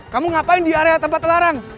kamu ngapain di area tempat larang